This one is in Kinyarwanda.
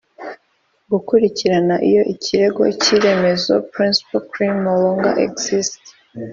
gukurikiranwa iyo ikirego cy iremezo principal claim no longer exists